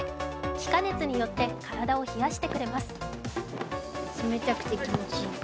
気化熱によって体を冷やしてくれます。